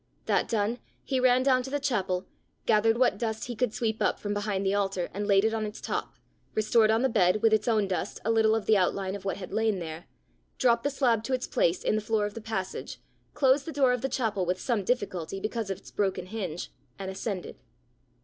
That done, he ran down to the chapel, gathered what dust he could sweep up from behind the altar and laid it on its top, restored on the bed, with its own dust, a little of the outline of what had lain there, dropped the slab to its place in the floor of the passage, closed the door of the chapel with some difficulty because of its broken hinge, and ascended.